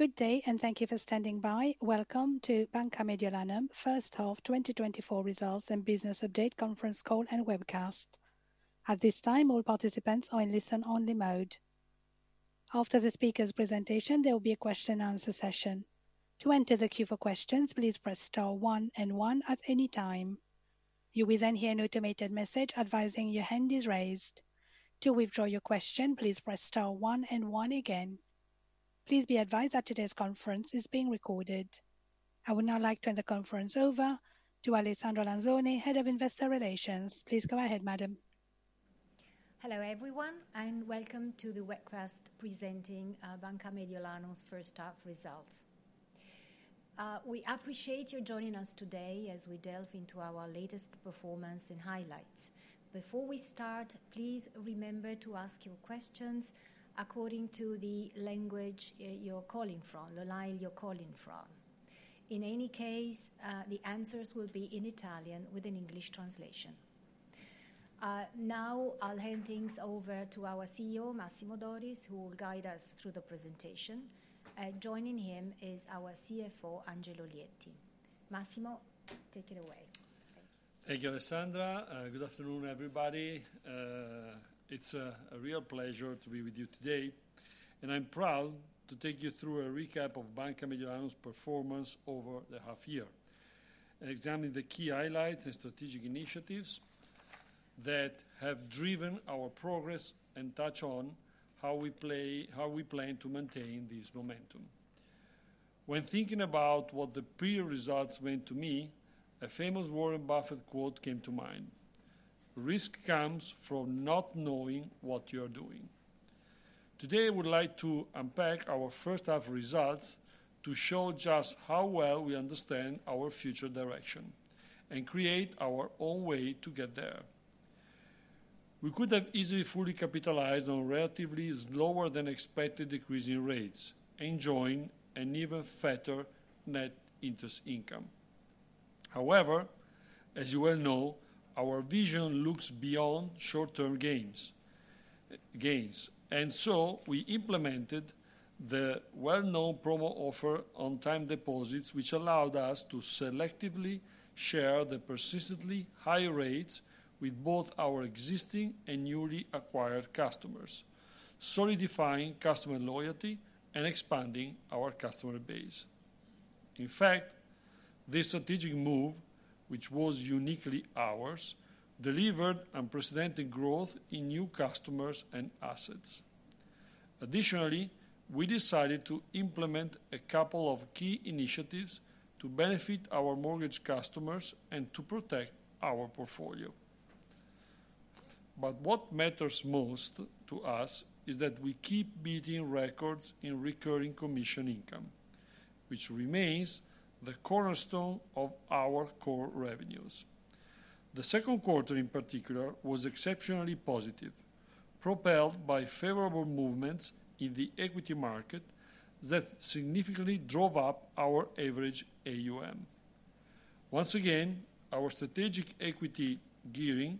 Good day, and thank you for standing by. Welcome to Banca Mediolanum First Half 2024 Results and Business Update Conference Call and Webcast. At this time, all participants are in listen-only mode. After the speaker's presentation, there will be a question-and-answer session. To enter the queue for questions, please press star one and one at any time. You will then hear an automated message advising your hand is raised. To withdraw your question, please press star one and one again. Please be advised that today's conference is being recorded. I would now like to turn the conference over to Alessandra Lanzone, Head of Investor Relations. Please go ahead, madam. Hello, everyone, and welcome to the webcast presenting Banca Mediolanum's First Half Results. We appreciate your joining us today as we delve into our latest performance and highlights. Before we start, please remember to ask your questions according to the language you're calling from, the line you're calling from. In any case, the answers will be in Italian with an English translation. Now, I'll hand things over to our CEO, Massimo Doris, who will guide us through the presentation. Joining him is our CFO, Angelo Lietti. Massimo, take it away. Thank you, Alessandra. Good afternoon, everybody. It's a real pleasure to be with you today, and I'm proud to take you through a recap of Banca Mediolanum's performance over the half year, examining the key highlights and strategic initiatives that have driven our progress and touch on how we plan to maintain this momentum. When thinking about what the pre-results meant to me, a famous Warren Buffett quote came to mind: "Risk comes from not knowing what you are doing." Today, I would like to unpack our First Half Results to show just how well we understand our future direction and create our own way to get there. We could have easily fully capitalized on a relatively slower-than-expected decrease in rates and joined an even fatter net interest income. However, as you well know, our vision looks beyond short-term gains, and so we implemented the well-known promo offer on time deposits, which allowed us to selectively share the persistently high rates with both our existing and newly acquired customers, solidifying customer loyalty and expanding our customer base. In fact, this strategic move, which was uniquely ours, delivered unprecedented growth in new customers and assets. Additionally, we decided to implement a couple of key initiatives to benefit our mortgage customers and to protect our portfolio. But what matters most to us is that we keep beating records in recurring commission income, which remains the cornerstone of our core revenues. The second quarter, in particular, was exceptionally positive, propelled by favorable movements in the equity market that significantly drove up our average AUM. Once again, our strategic equity gearing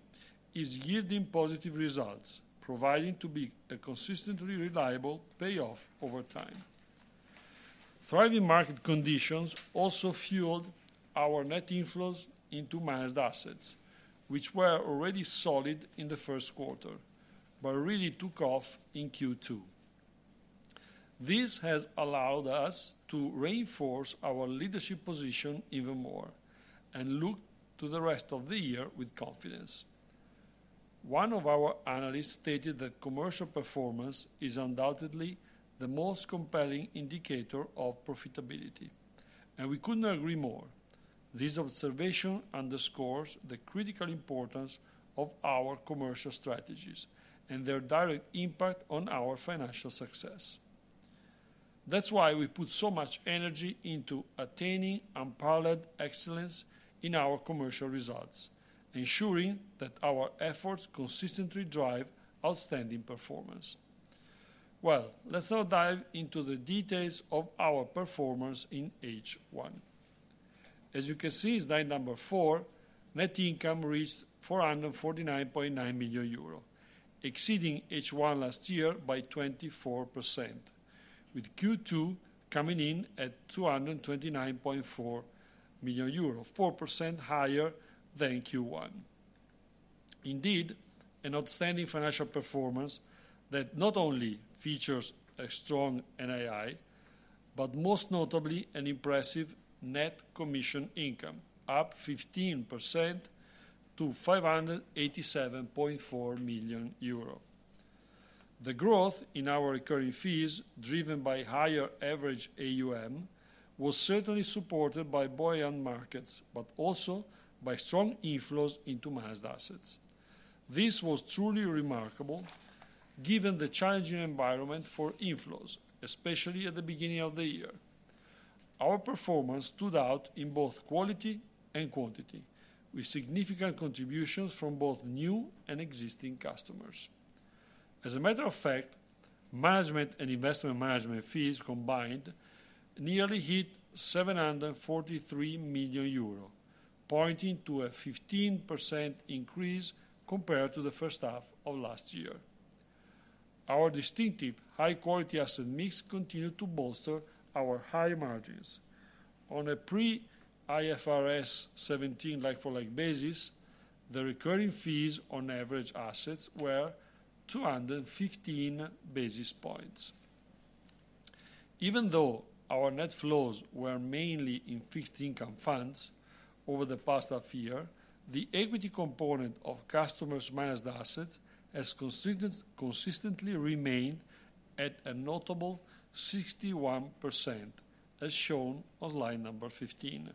is yielding positive results, proving to be a consistently reliable payoff over time. Thriving market conditions also fueled our net inflows into managed assets, which were already solid in the first quarter but really took off in Q2. This has allowed us to reinforce our leadership position even more and look to the rest of the year with confidence. One of our analysts stated that commercial performance is undoubtedly the most compelling indicator of profitability, and we couldn't agree more. This observation underscores the critical importance of our commercial strategies and their direct impact on our financial success. That's why we put so much energy into attaining unparalleled excellence in our commercial results, ensuring that our efforts consistently drive outstanding performance. Well, let's now dive into the details of our performance in H1. As you can see, slide number four, net income reached 449.9 million euro, exceeding H1 last year by 24%, with Q2 coming in at 229.4 million euro, 4% higher than Q1. Indeed, an outstanding financial performance that not only features a strong NI, but most notably an impressive net commission income, up 15% to 587.4 million euro. The growth in our recurring fees, driven by higher average AUM, was certainly supported by buying markets, but also by strong inflows into managed assets. This was truly remarkable, given the challenging environment for inflows, especially at the beginning of the year. Our performance stood out in both quality and quantity, with significant contributions from both new and existing customers. As a matter of fact, management and investment management fees combined nearly hit 743 million euro, pointing to a 15% increase compared to the first half of last year. Our distinctive high-quality asset mix continued to bolster our high margins. On a pre-IFRS 17 like-for-like basis, the recurring fees on average assets were 215 basis points. Even though our net flows were mainly in fixed income funds over the past half year, the equity component of customers' managed assets has consistently remained at a notable 61%, as shown on slide number 15.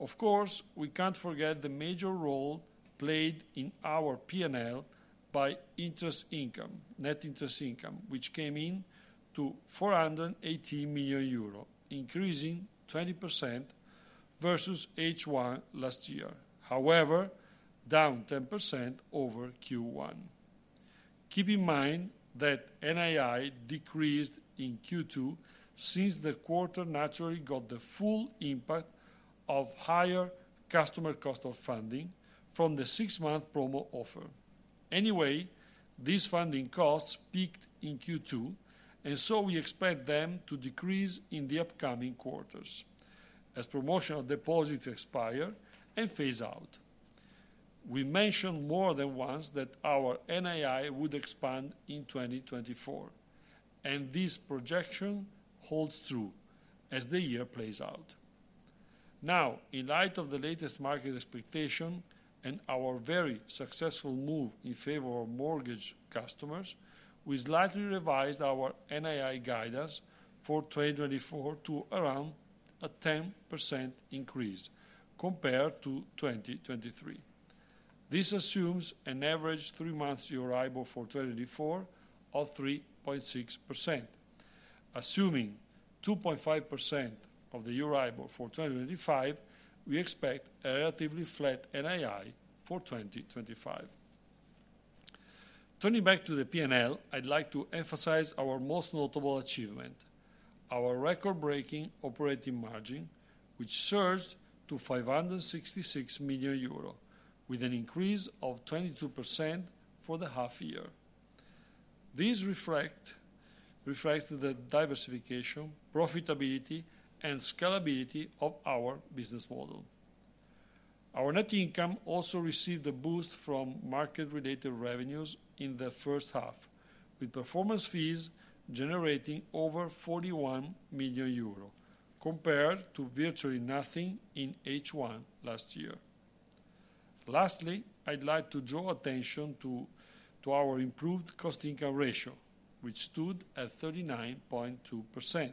Of course, we can't forget the major role played in our P&L by net interest income, which came in to 480 million euro, increasing 20% versus H1 last year, however, down 10% over Q1. Keep in mind that NAI decreased in Q2 since the quarter naturally got the full impact of higher customer cost of funding from the six-month promo offer. Anyway, these funding costs peaked in Q2, and so we expect them to decrease in the upcoming quarters as promotional deposits expire and phase out. We mentioned more than once that our NAI would expand in 2024, and this projection holds true as the year plays out. Now, in light of the latest market expectation and our very successful move in favor of mortgage customers, we slightly revised our NAI guidance for 2024 to around a 10% increase compared to 2023. This assumes an average three-month year-on-year for 2024 of 3.6%. Assuming 2.5% of the year-on-year for 2025, we expect a relatively flat NAI for 2025. Turning back to the P&L, I'd like to emphasize our most notable achievement, our record-breaking operating margin, which surged to 566 million euro, with an increase of 22% for the half year. This reflects the diversification, profitability, and scalability of our business model. Our net income also received a boost from market-related revenues in the first half, with performance fees generating over 41 million euro, compared to virtually nothing in H1 last year. Lastly, I'd like to draw attention to our improved cost-income ratio, which stood at 39.2%,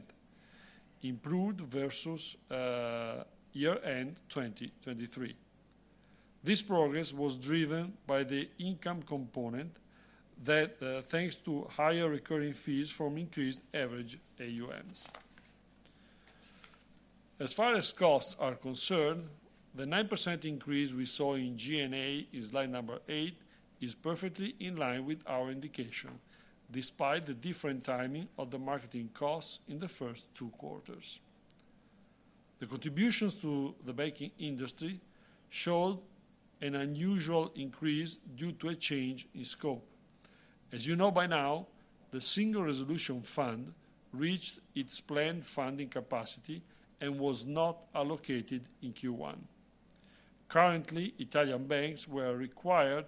improved versus year-end 2023. This progress was driven by the income component that, thanks to higher recurring fees from increased average AUMs. As far as costs are concerned, the 9% increase we saw in G&A, slide number 8, is perfectly in line with our indication, despite the different timing of the marketing costs in the first two quarters. The contributions to the banking industry showed an unusual increase due to a change in scope. As you know by now, the single resolution fund reached its planned funding capacity and was not allocated in Q1. Currently, Italian banks were required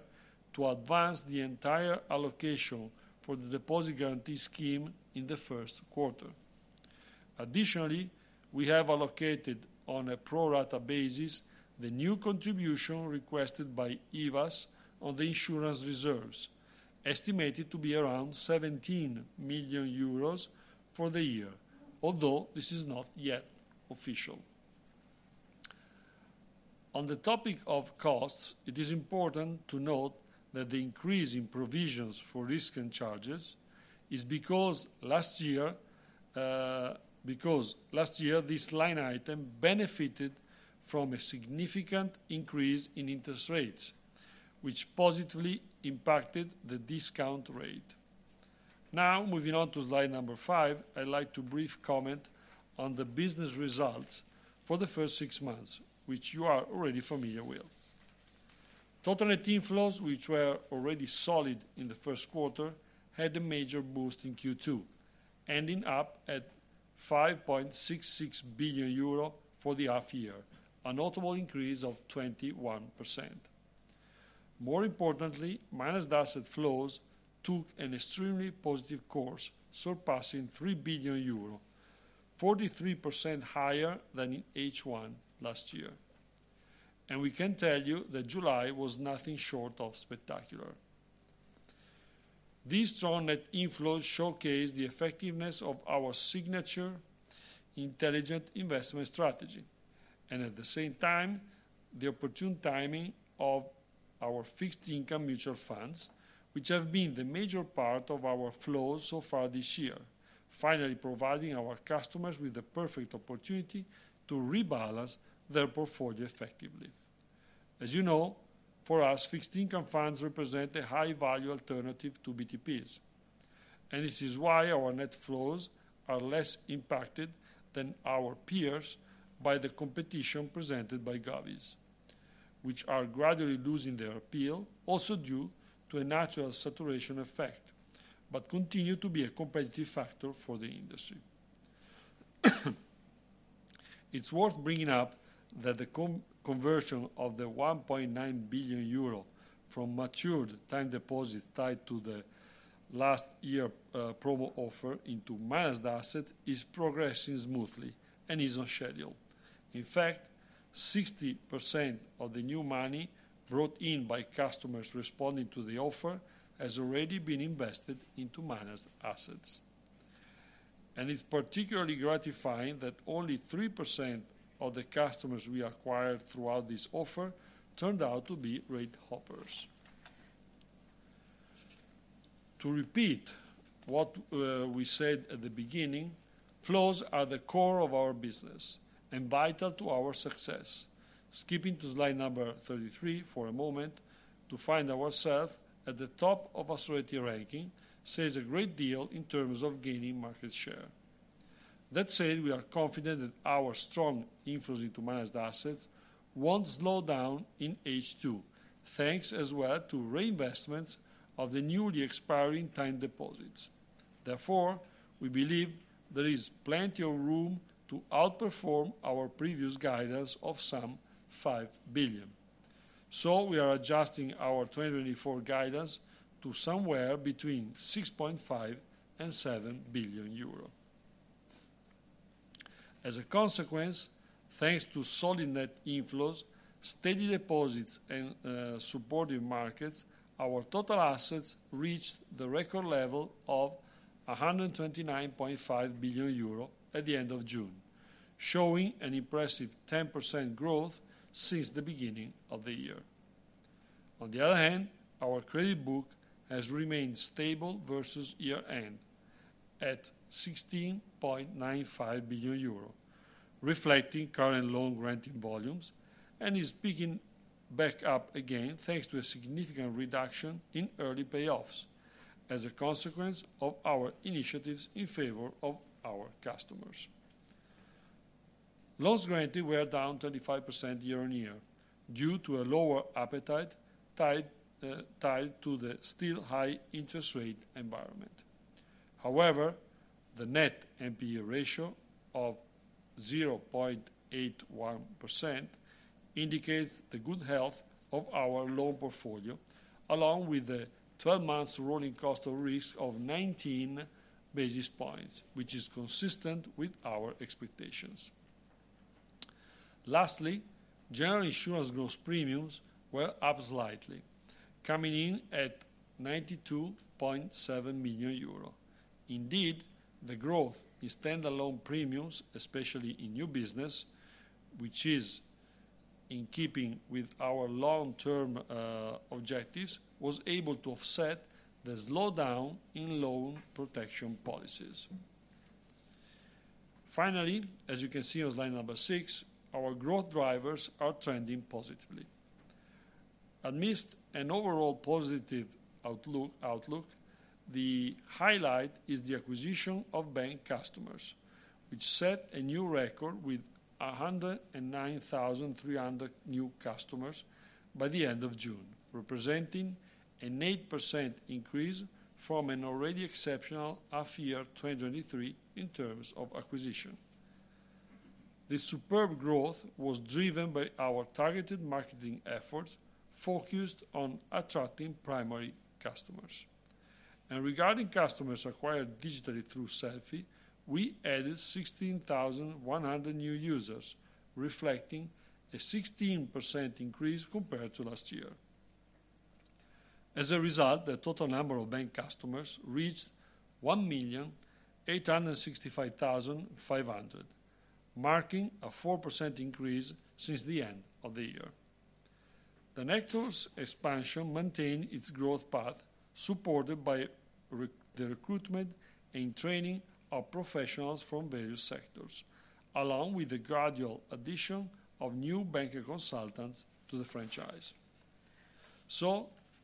to advance the entire allocation for the Deposit Guarantee Scheme in the first quarter. Additionally, we have allocated on a pro-rata basis the new contribution requested by IVASS on the insurance reserves, estimated to be around 17 million euros for the year, although this is not yet official. On the topic of costs, it is important to note that the increase in provisions for risk and charges is because last year this line item benefited from a significant increase in interest rates, which positively impacted the discount rate. Now, moving on to slide number five, I'd like to briefly comment on the business results for the first six months, which you are already familiar with. Total net inflows, which were already solid in the first quarter, had a major boost in Q2, ending up at 5.66 billion euro for the half year, a notable increase of 21%. More importantly, managed asset flows took an extremely positive course, surpassing 3 billion euro, 43% higher than in H1 last year. We can tell you that July was nothing short of spectacular. These strong net inflows showcase the effectiveness of our signature Intelligent Investment Strategy and, at the same time, the opportune timing of our fixed income mutual funds, which have been the major part of our flows so far this year, finally providing our customers with the perfect opportunity to rebalance their portfolio effectively. As you know, for us, fixed income funds represent a high-value alternative to BTPs, and this is why our net flows are less impacted than our peers by the competition presented by GAVIs, which are gradually losing their appeal, also due to a natural saturation effect, but continue to be a competitive factor for the industry. It's worth bringing up that the conversion of the 1.9 billion euro from matured time deposits tied to the last year promo offer into managed assets is progressing smoothly and is on schedule. In fact, 60% of the new money brought in by customers responding to the offer has already been invested into managed assets. And it's particularly gratifying that only 3% of the customers we acquired throughout this offer turned out to be rate hoppers. To repeat what we said at the beginning, flows are the core of our business and vital to our success. Skipping to slide 33 for a moment to find ourselves at the top of our strategy ranking says a great deal in terms of gaining market share. That said, we are confident that our strong inflows into managed assets won't slow down in H2, thanks as well to reinvestments of the newly expiring time deposits. Therefore, we believe there is plenty of room to outperform our previous guidance of some 5 billion. So we are adjusting our 2024 guidance to somewhere between 6.5 and 7 billion euro. As a consequence, thanks to solid net inflows, steady deposits, and supportive markets, our total assets reached the record level of 129.5 billion euro at the end of June, showing an impressive 10% growth since the beginning of the year. On the other hand, our credit book has remained stable versus year-end at 16.95 billion euro, reflecting current loan granting volumes, and is picking back up again thanks to a significant reduction in early payoffs as a consequence of our initiatives in favor of our customers. Loans granted were down 25% year-on-year due to a lower appetite tied to the still high interest rate environment. However, the net NPE ratio of 0.81% indicates the good health of our loan portfolio, along with the 12-month rolling cost of risk of 19 basis points, which is consistent with our expectations. Lastly, general insurance gross premiums were up slightly, coming in at 92.7 million euro. Indeed, the growth in standalone premiums, especially in new business, which is in keeping with our long-term objectives, was able to offset the slowdown in loan protection policies. Finally, as you can see on slide number 6, our growth drivers are trending positively. Amidst an overall positive outlook, the highlight is the acquisition of bank customers, which set a new record with 109,300 new customers by the end of June, representing an 8% increase from an already exceptional half-year 2023 in terms of acquisition. This superb growth was driven by our targeted marketing efforts focused on attracting primary customers. Regarding customers acquired digitally through Selfy, we added 16,100 new users, reflecting a 16% increase compared to last year. As a result, the total number of bank customers reached 1,865,500, marking a 4% increase since the end of the year. The network's expansion maintained its growth path, supported by the recruitment and training of professionals from various sectors, along with the gradual addition of new banking consultants to the franchise.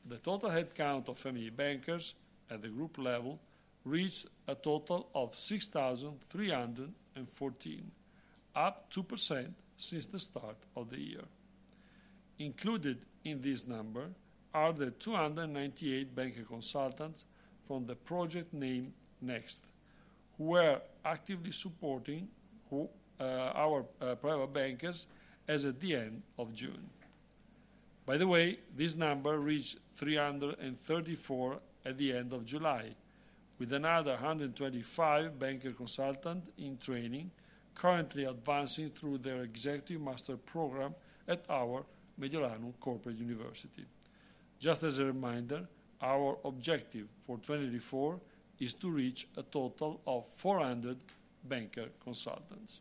The total headcount of family bankers at the group level reached a total of 6,314, up 2% since the start of the year. Included in this number are the 298 banking consultants from the project name NEXT, who were actively supporting our private bankers as of the end of June. By the way, this number reached 334 at the end of July, with another 125 banking consultants in training currently advancing through their executive master program at our Mediolanum Corporate University. Just as a reminder, our objective for 2024 is to reach a total of 400 banking consultants.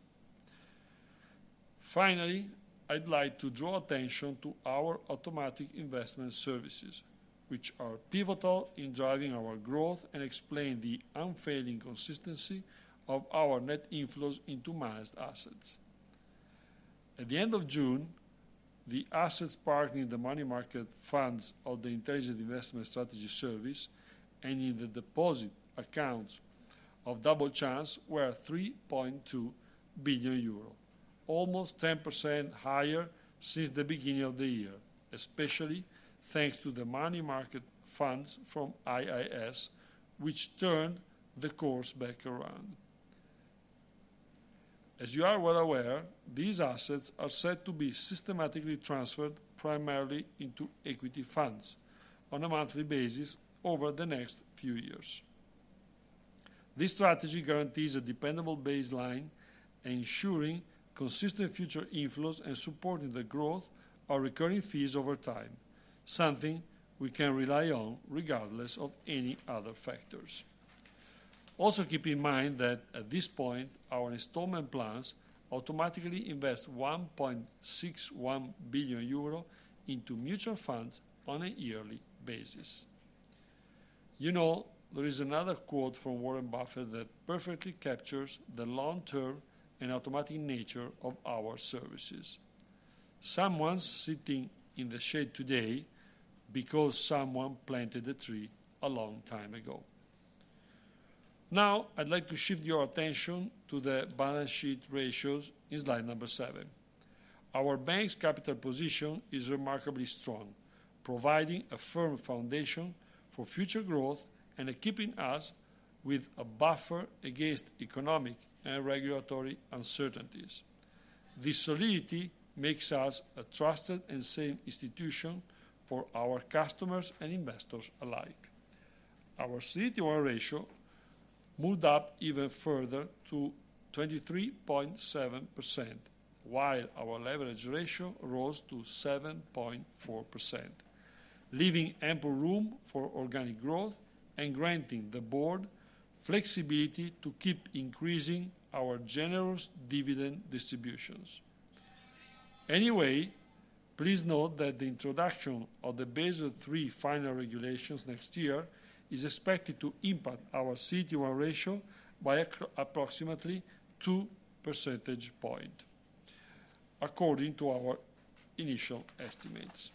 Finally, I'd like to draw attention to our automatic investment services, which are pivotal in driving our growth and explain the unfailing consistency of our net inflows into managed assets. At the end of June, the assets parked in the money market funds of the intelligent investment strategy service and in the deposit accounts of Double Chance were 3.2 billion euro, almost 10% higher since the beginning of the year, especially thanks to the money market funds from IIS, which turned the course back around. As you are well aware, these assets are set to be systematically transferred primarily into equity funds on a monthly basis over the next few years. This strategy guarantees a dependable baseline, ensuring consistent future inflows and supporting the growth of recurring fees over time, something we can rely on regardless of any other factors. Also keep in mind that at this point, our installment plans automatically invest 1.61 billion euro into mutual funds on a yearly basis. You know, there is another quote from Warren Buffett that perfectly captures the long-term and automatic nature of our services. Someone's sitting in the shade today because someone planted the tree a long time ago. Now, I'd like to shift your attention to the balance sheet ratios in slide number seven. Our bank's capital position is remarkably strong, providing a firm foundation for future growth and keeping us with a buffer against economic and regulatory uncertainties. This solidity makes us a trusted and safe institution for our customers and investors alike. Our CET1 ratio moved up even further to 23.7%, while our leverage ratio rose to 7.4%, leaving ample room for organic growth and granting the board flexibility to keep increasing our generous dividend distributions. Anyway, please note that the introduction of the Basel III final regulations next year is expected to impact our CET1 ratio by approximately 2 percentage points, according to our initial estimates.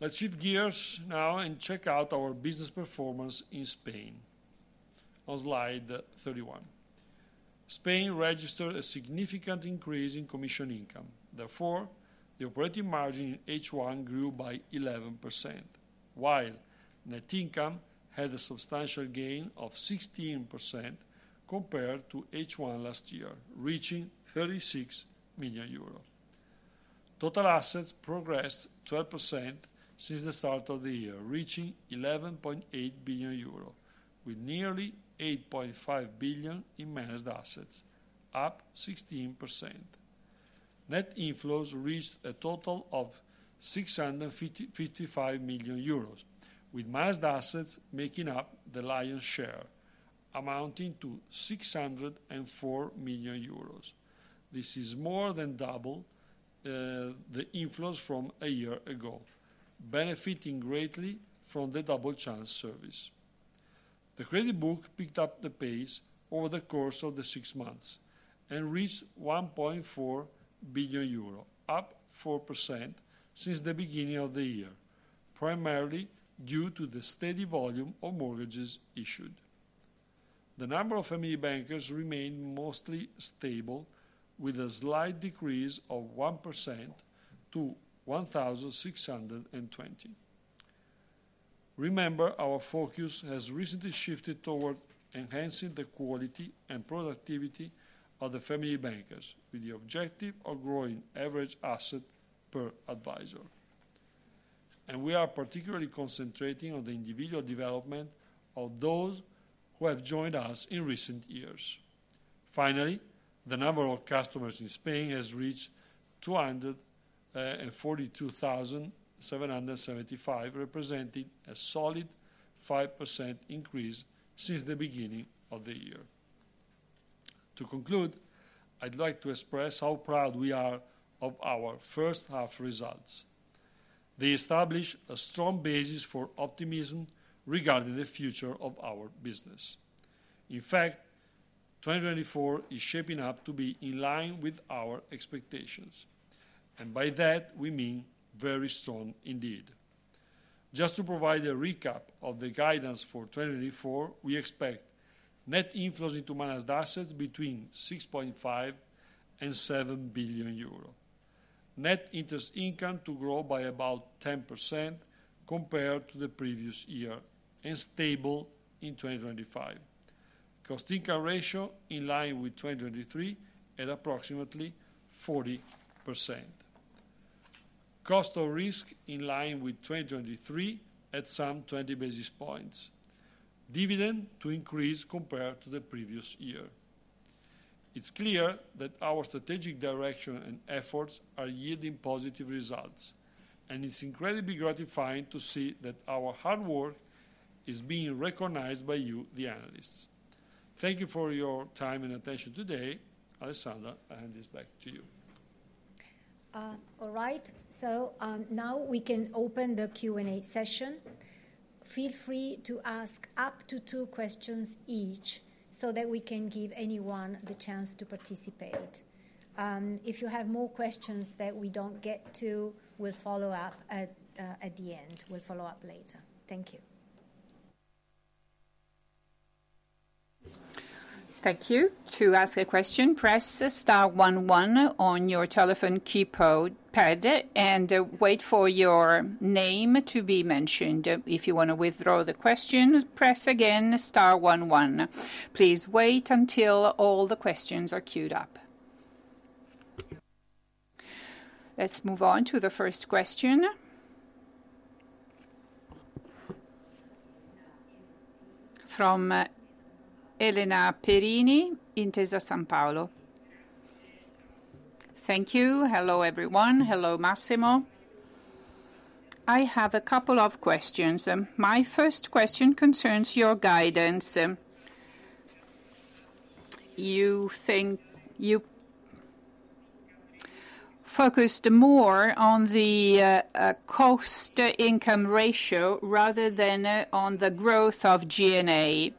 Let's shift gears now and check out our business performance in Spain. On slide 31, Spain registered a significant increase in commission income. Therefore, the operating margin in H1 grew by 11%, while net income had a substantial gain of 16% compared to H1 last year, reaching 36 million euros. Total assets progressed 12% since the start of the year, reaching 11.8 billion euro, with nearly 8.5 billion in managed assets, up 16%. Net inflows reached a total of 655 million euros, with managed assets making up the lion's share, amounting to 604 million euros. This is more than double the inflows from a year ago, benefiting greatly from the Double Chance service. The credit book picked up the pace over the course of the six months and reached 1.4 billion euro, up 4% since the beginning of the year, primarily due to the steady volume of mortgages issued. The number of family bankers remained mostly stable, with a slight decrease of 1% to 1,620. Remember, our focus has recently shifted toward enhancing the quality and productivity of the family bankers, with the objective of growing average asset per advisor. We are particularly concentrating on the individual development of those who have joined us in recent years. Finally, the number of customers in Spain has reached 242,775, representing a solid 5% increase since the beginning of the year. To conclude, I'd like to express how proud we are of our first-half results. They establish a strong basis for optimism regarding the future of our business. In fact, 2024 is shaping up to be in line with our expectations, and by that, we mean very strong indeed. Just to provide a recap of the guidance for 2024, we expect net inflows into managed assets between 6.5 billion and 7 billion euro, net interest income to grow by about 10% compared to the previous year, and stable in 2025. Cost-to-income ratio in line with 2023 at approximately 40%. Cost of risk in line with 2023 at some 20 basis points. Dividend to increase compared to the previous year. It's clear that our strategic direction and efforts are yielding positive results, and it's incredibly gratifying to see that our hard work is being recognized by you, the analysts. Thank you for your time and attention today. Alessandra, I hand this back to you. All right. So now we can open the Q&A session. Feel free to ask up to two questions each so that we can give anyone the chance to participate. If you have more questions that we don't get to, we'll follow up at the end. We'll follow up later. Thank you. Thank you. To ask a question, press Star 11 on your telephone keypad and wait for your name to be mentioned. If you want to withdraw the question, press again Star 11. Please wait until all the questions are queued up. Let's move on to the first question from Elena Perini in Intesa Sanpaolo. Thank you. Hello everyone. Hello Massimo. I have a couple of questions. My first question concerns your guidance. You focused more on the cost-to-income ratio rather than on the growth of G&A,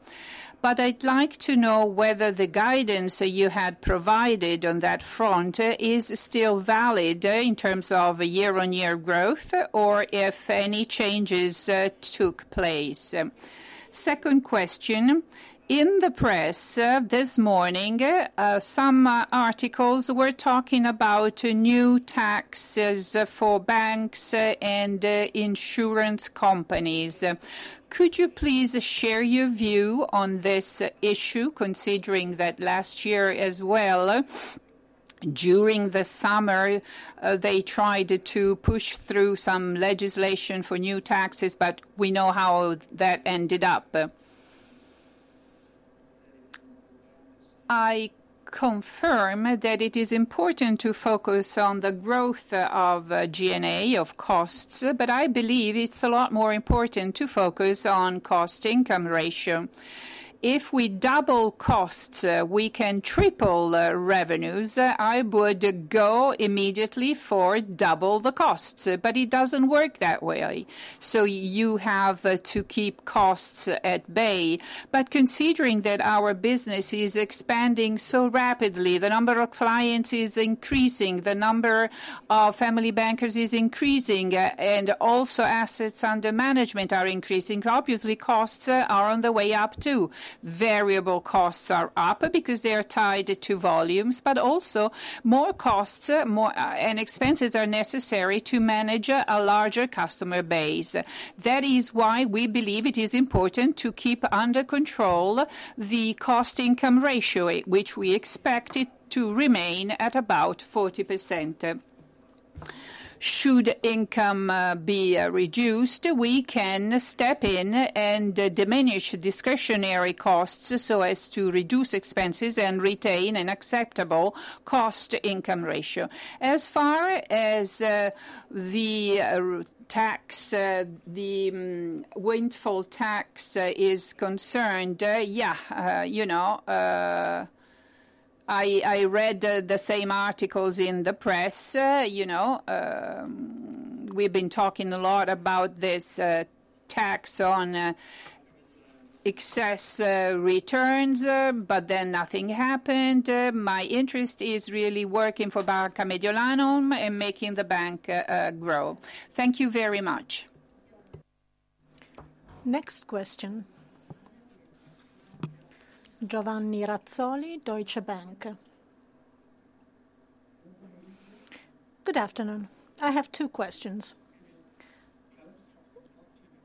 but I'd like to know whether the guidance you had provided on that front is still valid in terms of year-on-year growth or if any changes took place. Second question. In the press this morning, some articles were talking about new taxes for banks and insurance companies. Could you please share your view on this issue, considering that last year as well, during the summer, they tried to push through some legislation for new taxes, but we know how that ended up? I confirm that it is important to focus on the growth of G&A, of costs, but I believe it's a lot more important to focus on cost-to-income ratio. If we double costs, we can triple revenues. I would go immediately for double the costs, but it doesn't work that way. So you have to keep costs at bay. But considering that our business is expanding so rapidly, the number of clients is increasing, the number of family bankers is increasing, and also assets under management are increasing, obviously costs are on the way up too. Variable costs are up because they are tied to volumes, but also more costs and expenses are necessary to manage a larger customer base. That is why we believe it is important to keep under control the cost-to-income ratio, which we expect it to remain at about 40%. Should income be reduced, we can step in and diminish discretionary costs so as to reduce expenses and retain an acceptable cost-to-income ratio. As far as the windfall tax is concerned, yeah, you know, I read the same articles in the press. We've been talking a lot about this tax on excess returns, but then nothing happened. My interest is really working for Banca Mediolanum and making the bank grow. Thank you very much. Next question. Giovanni Razzoli, Deutsche Bank. Good afternoon. I have two questions.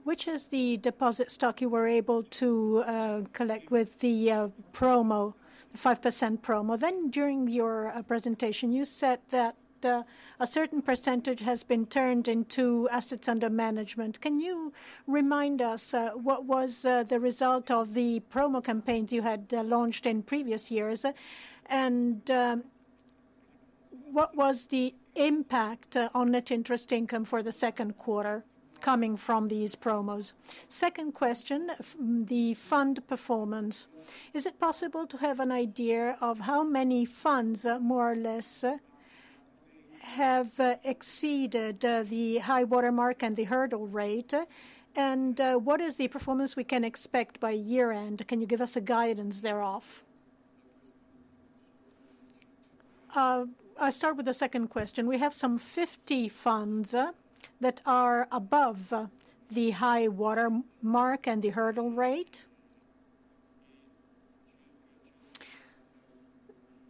Which is the deposit stock you were able to collect with the promo, the 5% promo? Then during your presentation, you said that a certain percentage has been turned into assets under management. Can you remind us what was the result of the promo campaigns you had launched in previous years? And what was the impact on net interest income for the second quarter coming from these promos? Second question, the fund performance. Is it possible to have an idea of how many funds more or less have exceeded the high watermark and the hurdle rate? And what is the performance we can expect by year-end? Can you give us a guidance thereof? I'll start with the second question. We have some 50 funds that are above the high watermark and the hurdle rate.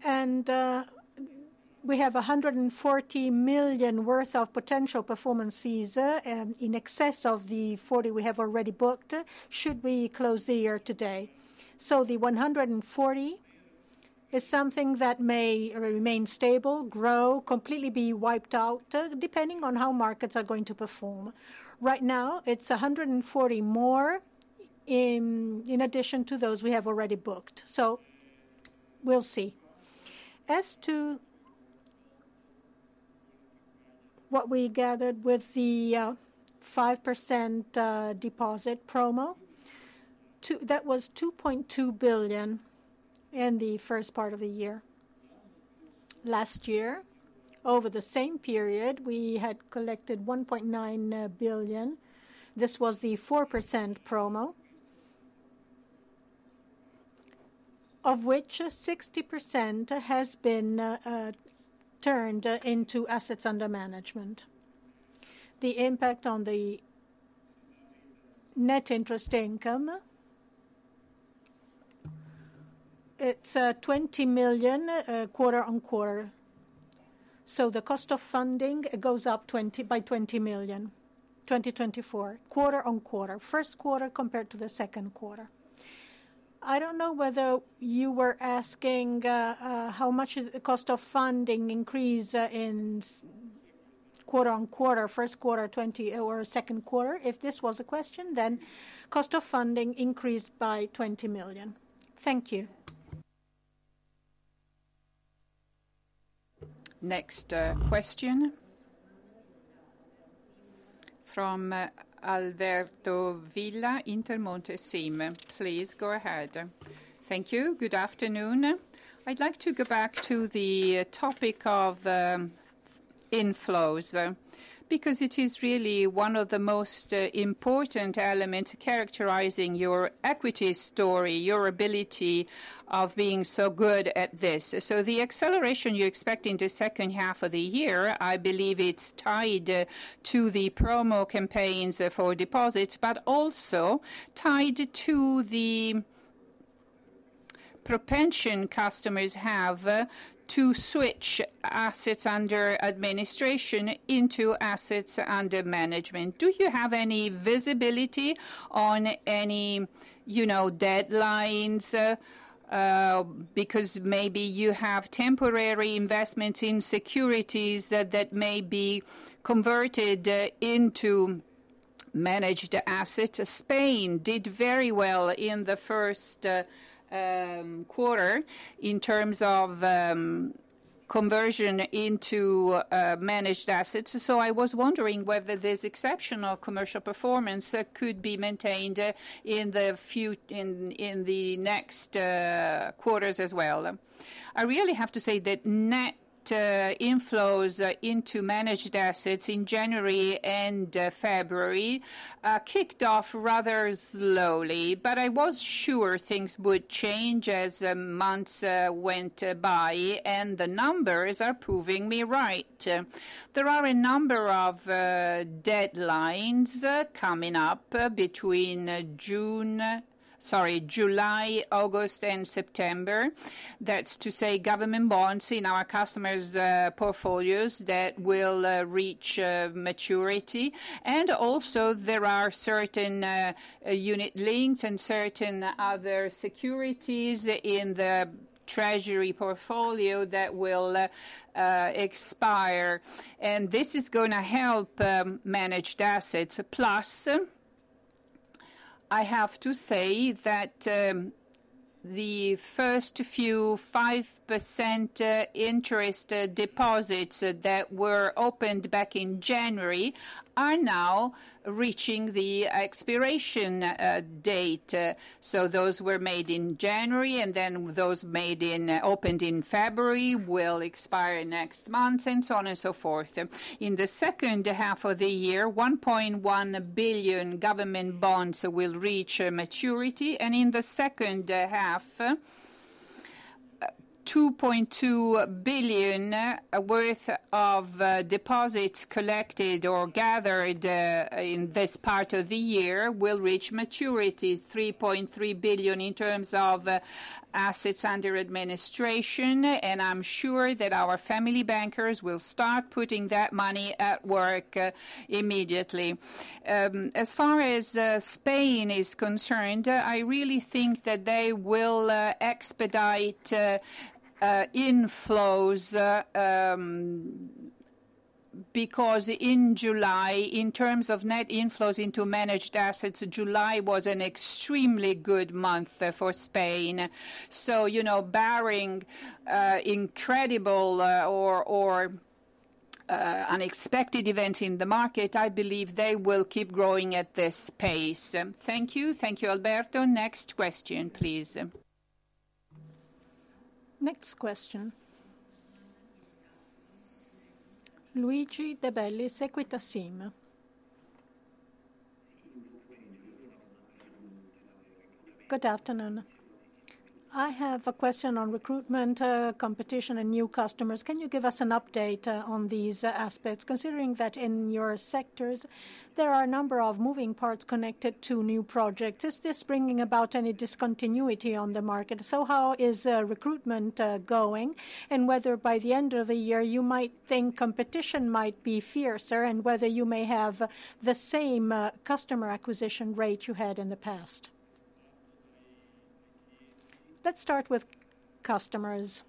And we have 140 million worth of potential performance fees in excess of the 40 million we have already booked. Should we close the year today? So the 140 is something that may remain stable, grow, completely be wiped out, depending on how markets are going to perform. Right now, it's 140 more in addition to those we have already booked. So we'll see. As to what we gathered with the 5% deposit promo, that was 2.2 billion in the first part of the year. Last year, over the same period, we had collected 1.9 billion. This was the 4% promo, of which 60% has been turned into assets under management. The impact on the net interest income, it's 20 million quarter-on-quarter. So the cost of funding goes up by 20 million in 2024, quarter-on-quarter, first quarter compared to the second quarter. I don't know whether you were asking how much the cost of funding increased in quarter-on-quarter, first quarter, second quarter. If this was a question, then cost of funding increased by 20 million. Thank you. Next question. From Alberto Villa, Intermonte SIM. Please go ahead. Thank you. Good afternoon. I'd like to go back to the topic of inflows because it is really one of the most important elements characterizing your equity story, your ability of being so good at this. So the acceleration you expect in the second half of the year, I believe it's tied to the promo campaigns for deposits, but also tied to the propensity customers have to switch assets under administration into assets under management. Do you have any visibility on any deadlines? Because maybe you have temporary investments in securities that may be converted into managed assets. Spain did very well in the first quarter in terms of conversion into managed assets. So I was wondering whether this exceptional commercial performance could be maintained in the next quarters as well. I really have to say that net inflows into managed assets in January and February kicked off rather slowly, but I was sure things would change as months went by, and the numbers are proving me right. There are a number of deadlines coming up between June, sorry, July, August, and September. That's to say government bonds in our customers' portfolios that will reach maturity. And also there are certain unit links and certain other securities in the treasury portfolio that will expire. And this is going to help managed assets. Plus, I have to say that the first few 5% interest deposits that were opened back in January are now reaching the expiration date. So those were made in January, and then those opened in February will expire next month, and so on and so forth. In the second half of the year, 1.1 billion government bonds will reach maturity. And in the second half, 2.2 billion worth of deposits collected or gathered in this part of the year will reach maturity, 3.3 billion in terms of assets under administration. And I'm sure that our family bankers will start putting that money at work immediately. As far as Spain is concerned, I really think that they will expedite inflows because in July, in terms of net inflows into managed assets, July was an extremely good month for Spain. So barring incredible or unexpected events in the market, I believe they will keep growing at this pace. Thank you. Thank you, Alberto. Next question, please. Next question. Luigi De Bellis, Equita SIM. Good afternoon. I have a question on recruitment, competition, and new customers. Can you give us an update on these aspects? Considering that in your sectors, there are a number of moving parts connected to new projects, is this bringing about any discontinuity on the market? So how is recruitment going and whether by the end of the year you might think competition might be fiercer and whether you may have the same customer acquisition rate you had in the past? Let's start with customers.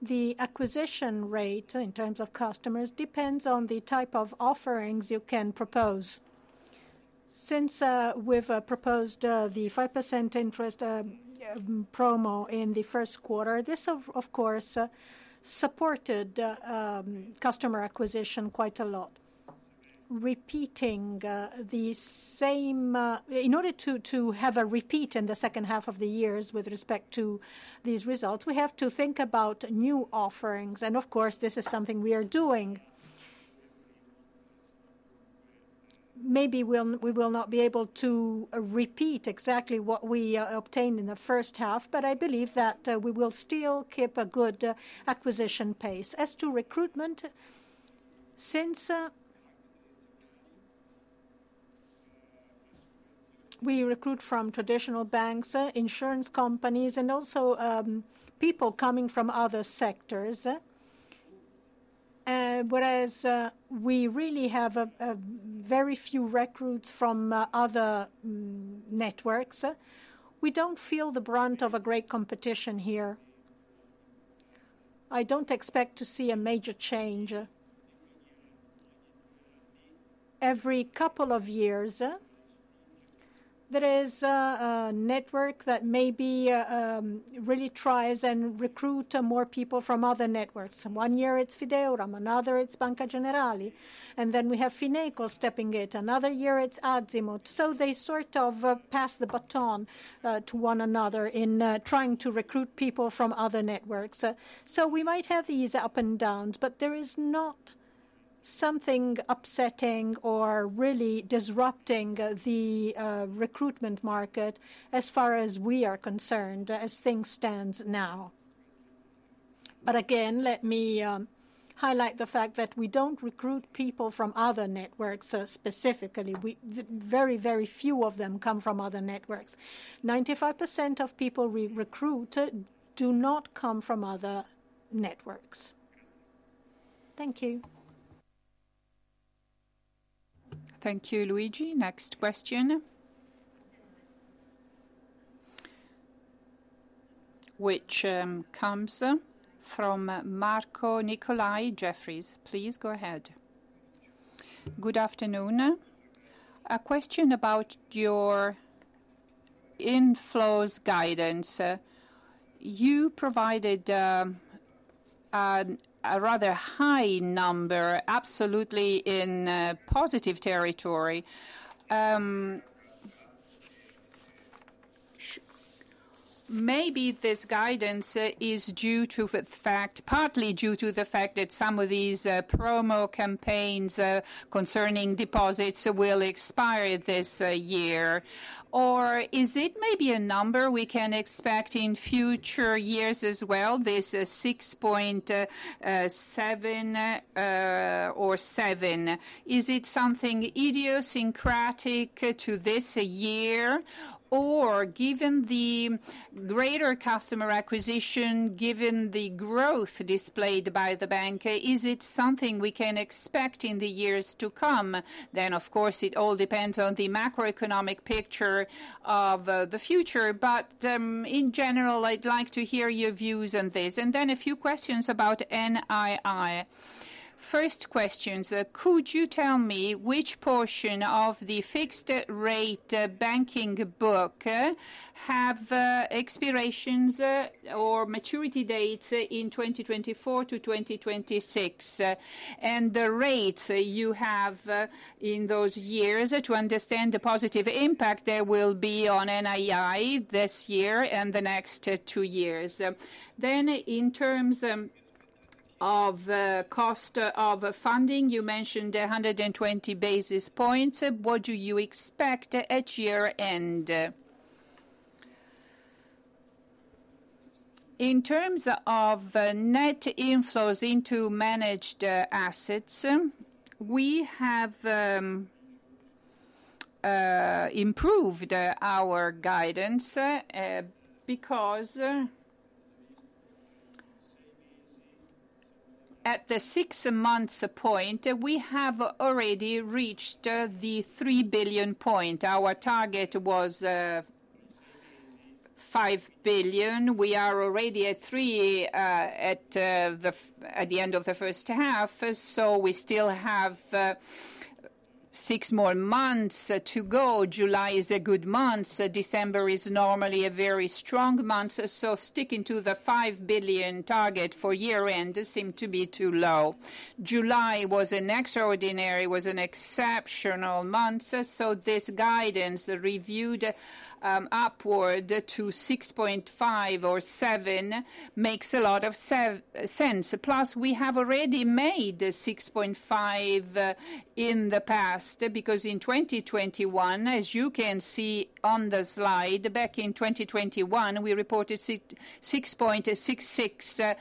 The acquisition rate in terms of customers depends on the type of offerings you can propose. Since we've proposed the 5% interest promo in the first quarter, this, of course, supported customer acquisition quite a lot. Repeating the same, in order to have a repeat in the second half of the years with respect to these results, we have to think about new offerings. Of course, this is something we are doing. Maybe we will not be able to repeat exactly what we obtained in the first half, but I believe that we will still keep a good acquisition pace. As to recruitment, since we recruit from traditional banks, insurance companies, and also people coming from other sectors, whereas we really have very few recruits from other networks, we don't feel the brunt of a great competition here. I don't expect to see a major change. Every couple of years, there is a network that maybe really tries and recruits more people from other networks. One year it's Fideuram, another it's Banca Generali, and then we have Fineco stepping in. Another year it's Azimut. So they sort of pass the baton to one another in trying to recruit people from other networks. So we might have these up and downs, but there is not something upsetting or really disrupting the recruitment market as far as we are concerned, as things stand now. But again, let me highlight the fact that we don't recruit people from other networks specifically. Very, very few of them come from other networks. 95% of people we recruit do not come from other networks. Thank you. Thank you, Luigi. Next question, which comes from Marco Nicolai, Jefferies. Please go ahead. Good afternoon. A question about your inflows guidance. You provided a rather high number, absolutely in positive territory. Maybe this guidance is due to the fact, partly due to the fact that some of these promo campaigns concerning deposits will expire this year. Or is it maybe a number we can expect in future years as well, this 6.7 or 7? Is it something idiosyncratic to this year? Or given the greater customer acquisition, given the growth displayed by the bank, is it something we can expect in the years to come? Then, of course, it all depends on the macroeconomic picture of the future. But in general, I'd like to hear your views on this. And then a few questions about NII. First questions, could you tell me which portion of the fixed-rate banking book have expirations or maturity dates in 2024-2026? And the rates you have in those years to understand the positive impact there will be on NII this year and the next two years. Then in terms of cost of funding, you mentioned 120 basis points. What do you expect at year-end? In terms of net inflows into managed assets, we have improved our guidance because at the six-month point, we have already reached the 3 billion point. Our target was 5 billion. We are already at 3 billion at the end of the first half, so we still have six more months to go. July is a good month. December is normally a very strong month. So sticking to the 5 billion target for year-end seemed to be too low. July was an exceptional month. So this guidance reviewed upward to 6.5 billion or 7 billion makes a lot of sense. Plus, we have already made 6.5 billion in the past because in 2021, as you can see on the slide, back in 2021, we reported 6.66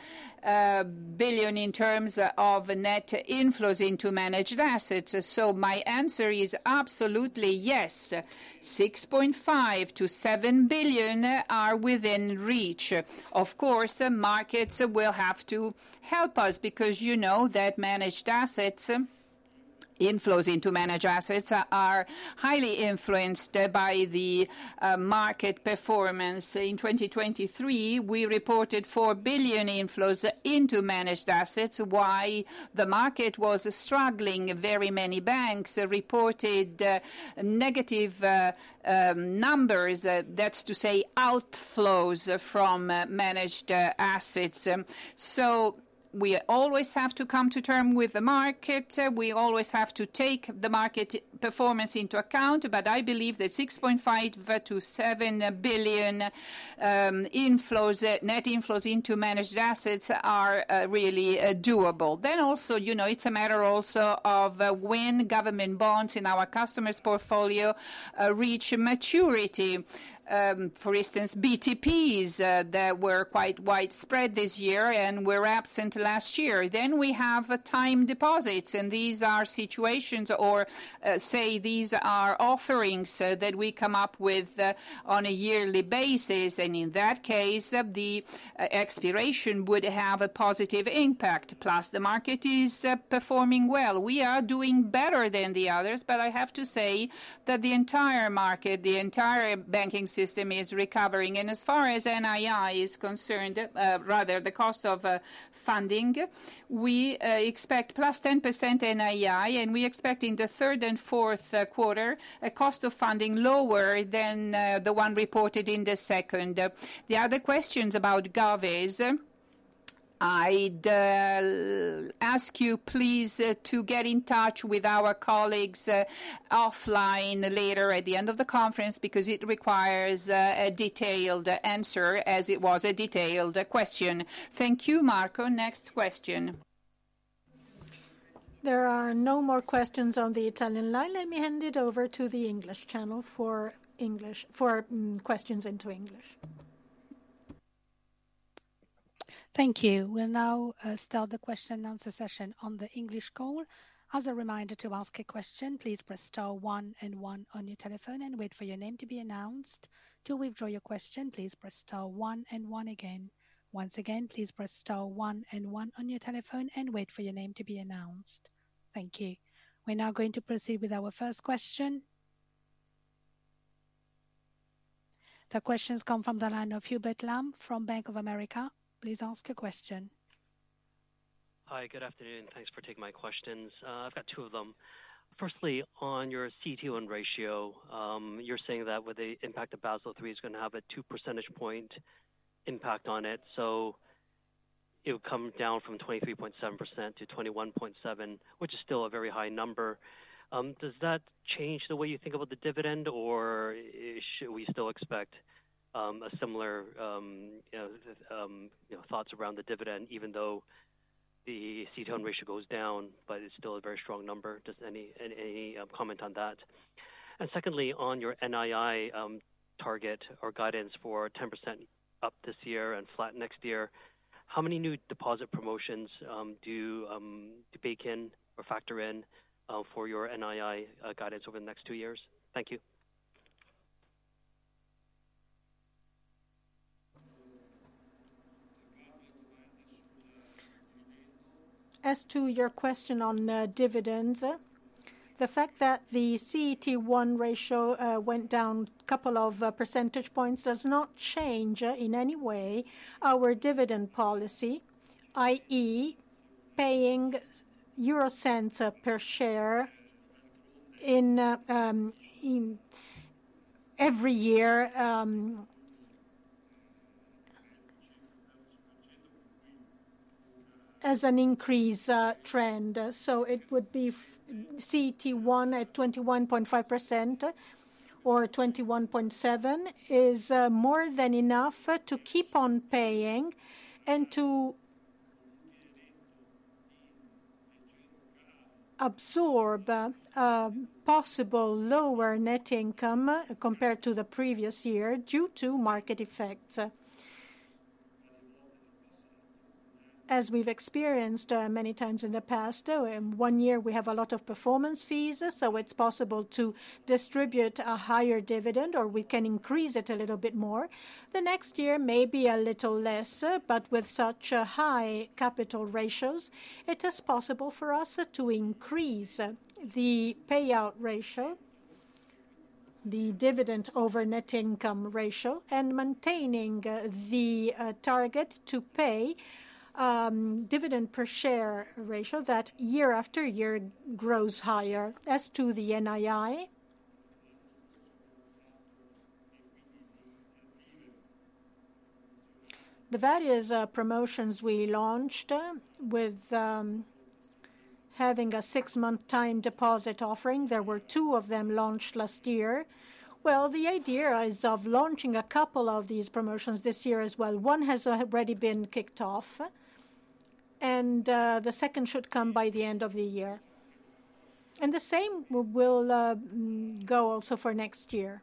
billion in terms of net inflows into managed assets. So my answer is absolutely yes. 6.5 billion-7 billion are within reach. Of course, markets will have to help us because you know that managed assets, inflows into managed assets are highly influenced by the market performance. In 2023, we reported 4 billion inflows into managed assets. Why? The market was struggling. Very many banks reported negative numbers. That's to say outflows from managed assets. So we always have to come to terms with the market. We always have to take the market performance into account. But I believe that 6.5 billion-7 billion net inflows into managed assets are really doable. Then also, it's a matter also of when government bonds in our customers' portfolio reach maturity. For instance, BTPs that were quite widespread this year and were absent last year. Then we have time deposits. And these are situations or say these are offerings that we come up with on a yearly basis. And in that case, the expiration would have a positive impact. Plus, the market is performing well. We are doing better than the others, but I have to say that the entire market, the entire banking system is recovering. As far as NII is concerned, rather the cost of funding, we expect +10% NII. We expect in the third and fourth quarter, a cost of funding lower than the one reported in the second. The other questions about gov is I'd ask you please to get in touch with our colleagues offline later at the end of the conference because it requires a detailed answer as it was a detailed question. Thank you, Marco. Next question. There are no more questions on the Italian line. Let me hand it over to the English channel for questions into English. Thank you. We'll now start the question and answer session on the English call. As a reminder to ask a question, please press star 1 and 1 on your telephone and wait for your name to be announced. To withdraw your question, please press star 1 and 1 again. Once again, please press star 1 and 1 on your telephone and wait for your name to be announced. Thank you. We're now going to proceed with our first question. The questions come from the line of Hugh Betlam from Bank of America. Please ask your question. Hi, good afternoon. Thanks for taking my questions. I've got 2 of them. Firstly, on your CET1 ratio, you're saying that with the impact of Basel III, it's going to have a 2 percentage point impact on it. So it will come down from 23.7%-21.7%, which is still a very high number. Does that change the way you think about the dividend, or should we still expect a similar thoughts around the dividend even though the CET1 ratio goes down, but it's still a very strong number? Just any comment on that? And secondly, on your NII target or guidance for 10% up this year and flat next year, how many new deposit promotions do you bake in or factor in for your NII guidance over the next two years? Thank you. As to your question on dividends, the fact that the CET1 ratio went down a couple of percentage points does not change in any way our dividend policy, i.e., paying euro cents per share in every year as an increase trend. So it would be CET1 at 21.5% or 21.7% is more than enough to keep on paying and to absorb possible lower net income compared to the previous year due to market effects. As we've experienced many times in the past, one year we have a lot of performance fees, so it's possible to distribute a higher dividend or we can increase it a little bit more. The next year may be a little less, but with such high capital ratios, it is possible for us to increase the payout ratio, the dividend over net income ratio, and maintaining the target to pay dividend per share ratio that year after year grows higher. As to the NII, the various promotions we launched with having a six-month time deposit offering, there were two of them launched last year. Well, the idea is of launching a couple of these promotions this year as well. One has already been kicked off, and the second should come by the end of the year. And the same will go also for next year.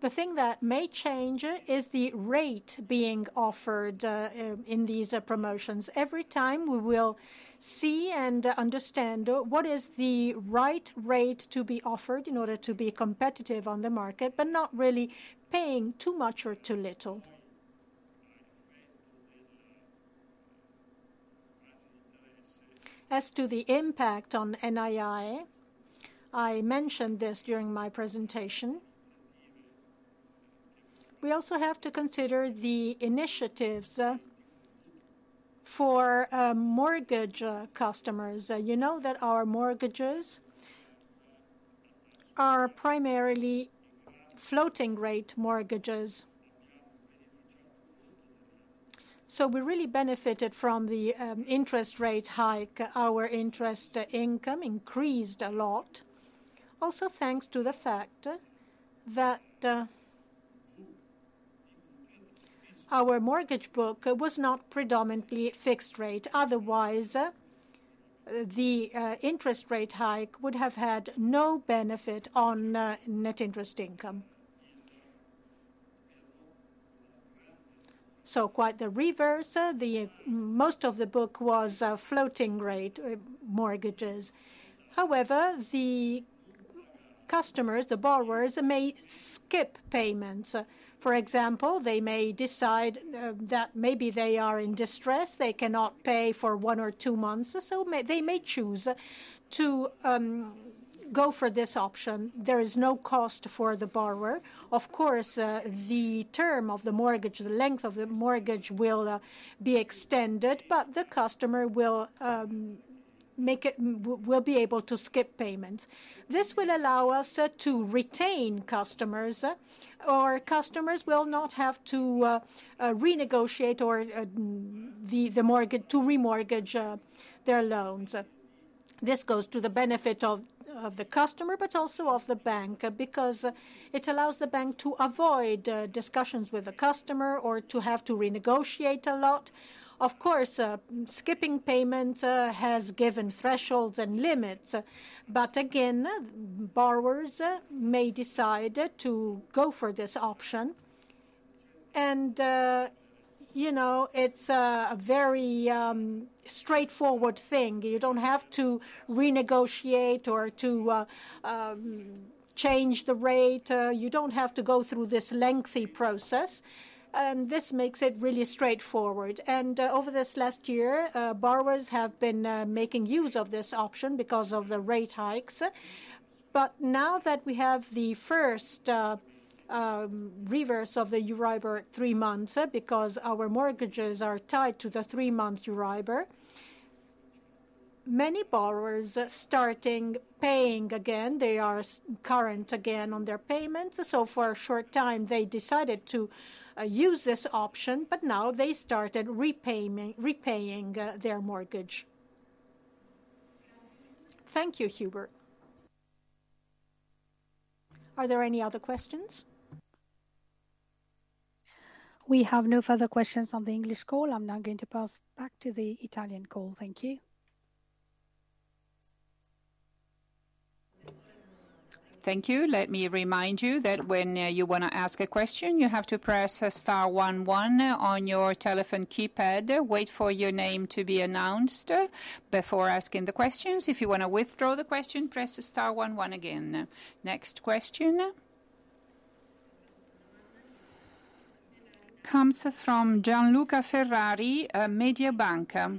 The thing that may change is the rate being offered in these promotions. Every time we will see and understand what is the right rate to be offered in order to be competitive on the market, but not really paying too much or too little. As to the impact on NII, I mentioned this during my presentation. We also have to consider the initiatives for mortgage customers. You know that our mortgages are primarily floating-rate mortgages. So we really benefited from the interest rate hike. Our interest income increased a lot. Also, thanks to the fact that our mortgage book was not predominantly fixed rate. Otherwise, the interest rate hike would have had no benefit on net interest income. So quite the reverse. Most of the book was floating-rate mortgages. However, the customers, the borrowers, may skip payments. For example, they may decide that maybe they are in distress, they cannot pay for one or two months. So they may choose to go for this option. There is no cost for the borrower. Of course, the term of the mortgage, the length of the mortgage will be extended, but the customer will be able to skip payments. This will allow us to retain customers, or customers will not have to renegotiate or to remortgage their loans. This goes to the benefit of the customer, but also of the bank because it allows the bank to avoid discussions with the customer or to have to renegotiate a lot. Of course, skipping payments has given thresholds and limits. But again, borrowers may decide to go for this option. And it's a very straightforward thing. You don't have to renegotiate or to change the rate. You don't have to go through this lengthy process. And this makes it really straightforward. And over this last year, borrowers have been making use of this option because of the rate hikes. But now that we have the first reversal of the Euribor three months because our mortgages are tied to the three-month Euribor, many borrowers are starting paying again. They are current again on their payments. So for a short time, they decided to use this option, but now they started repaying their mortgage. Thank you, Hugh. Are there any other questions? We have no further questions on the English call. I'm now going to pass back to the Italian call. Thank you. Thank you. Let me remind you that when you want to ask a question, you have to press star 11 on your telephone keypad. Wait for your name to be announced before asking the questions. If you want to withdraw the question, press star 11 again. Next question. Comes from Gianluca Ferrari, Mediobanca.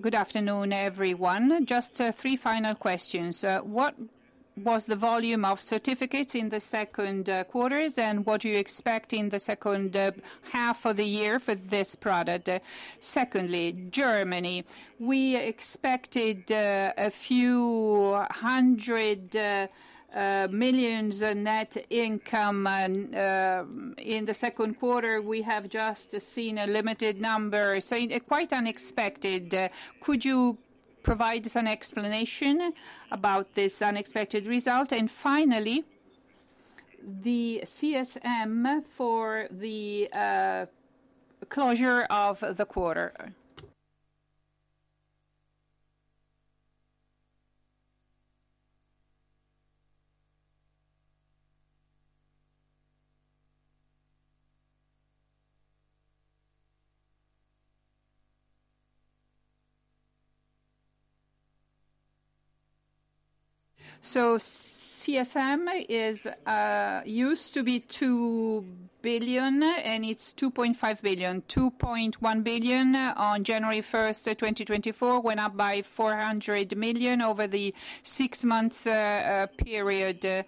Good afternoon, everyone. Just three final questions. What was the volume of certificates in the second quarter, and what do you expect in the second half of the year for this product? Secondly, Germany. We expected a few hundred million EUR of net income in the second quarter. We have just seen a limited number. So quite unexpected. Could you provide some explanation about this unexpected result? And finally, the CSM for the closure of the quarter. So CSM used to be 2 billion, and it's 2.5 billion. 2.1 billion on January 1st, 2024, went up by 400 million over the six-month period.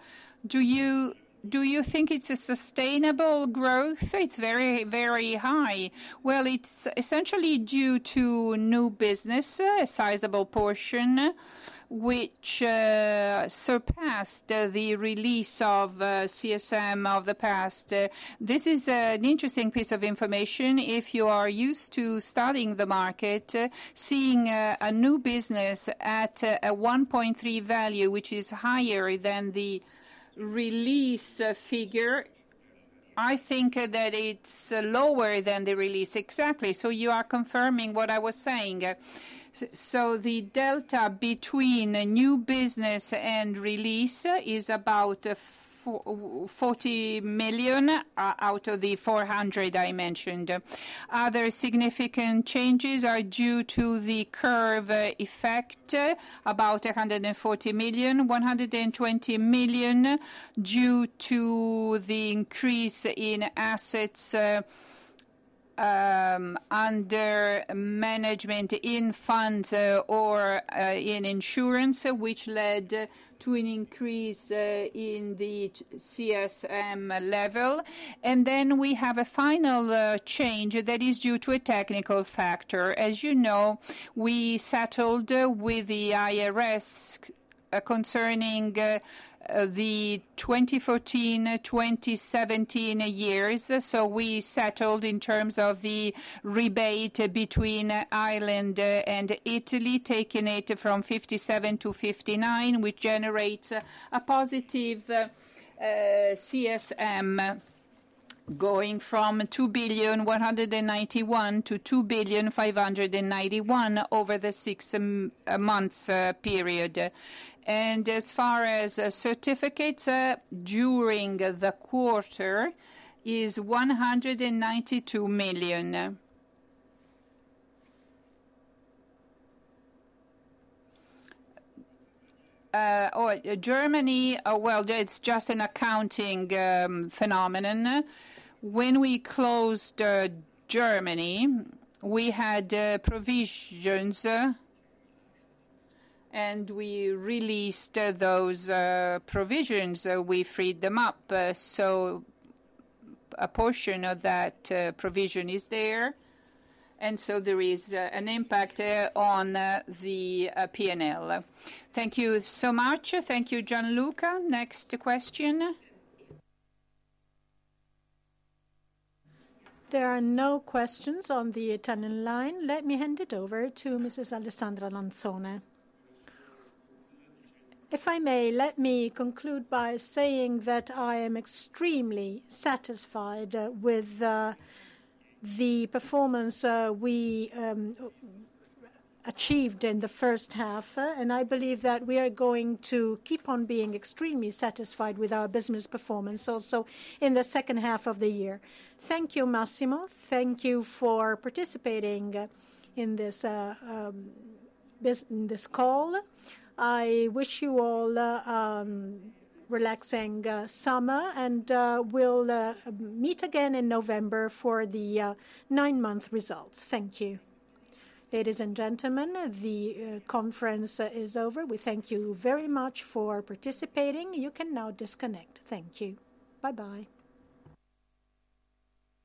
Do you think it's a sustainable growth? It's very, very high. Well, it's essentially due to new business, a sizable portion, which surpassed the release of CSM of the past. This is an interesting piece of information. If you are used to studying the market, seeing a new business at a 1.3 value, which is higher than the released figure, I think that it's lower than the release. Exactly. So you are confirming what I was saying. So the delta between new business and release is about 40 million out of the 400 I mentioned. Other significant changes are due to the curve effect, about 140 million, 120 million due to the increase in assets under management in funds or in insurance, which led to an increase in the CSM level. And then we have a final change that is due to a technical factor. As you know, we settled with the Irish concerning the 2014 to 2017 years. So we settled in terms of the rebate between Ireland and Italy, taking it from 57-59, which generates a positive CSM going from 2.191 billion-2.591 billion over the six-month period. And as far as certificates during the quarter is EUR 192 million. Germany, well, it's just an accounting phenomenon. When we closed Germany, we had provisions, and we released those provisions. We freed them up. So a portion of that provision is there. And so there is an impact on the P&L. Thank you so much. Thank you, Gianluca. Next question. There are no questions on the attending line. Let me hand it over to Mrs. Alessandra Lanzone. If I may, let me conclude by saying that I am extremely satisfied with the performance we achieved in the first half. I believe that we are going to keep on being extremely satisfied with our business performance also in the second half of the year. Thank you, Massimo. Thank you for participating in this call. I wish you all a relaxing summer, and we'll meet again in November for the nine-month results. Thank you. Ladies and gentlemen, the conference is over. We thank you very much for participating. You can now disconnect. Thank you. Bye-bye.